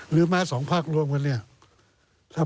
หรือแม้สองภาครวมกัน